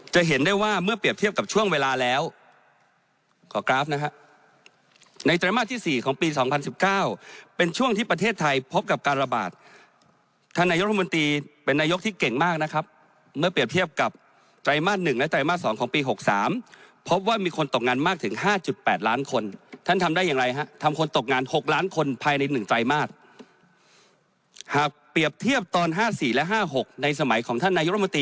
จะเห็นได้ว่าเมื่อเปรียบเทียบกับช่วงเวลาแล้วขอกราฟนะฮะในไตรมาสที่๔ของปี๒๐๑๙เป็นช่วงที่ประเทศไทยพบกับการระบาดท่านนายุทธมนตรีเป็นนายกที่เก่งมากนะครับเมื่อเปรียบเทียบกับไตรมาส๑และไตรมาส๒ของปี๖๓พบว่ามีคนตกงานมากถึง๕๘ล้านคนท่านทำได้อย่างไรฮะทำคนตกงาน๖ล้านคนภายใน